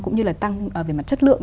cũng như là tăng về mặt chất lượng